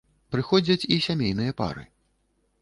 Прыходзяць і сямейныя пары.